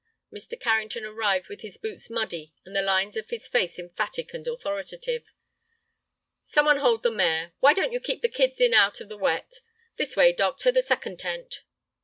Mr. Carrington arrived with his boots muddy and the lines of his face emphatic and authoritative. "Some one hold the mare. Why don't you keep the kids in out of the wet? This way, doctor, the second tent."